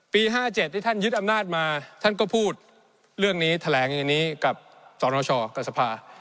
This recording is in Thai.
๕๗ที่ท่านยึดอำนาจมาท่านก็พูดเรื่องนี้แถลงอย่างนี้กับสนชกับสภา